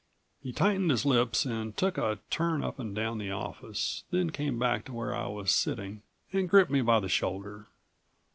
He tightened his lips and took a turn up and down the office, then came back to where I was sitting and gripped me by the shoulder.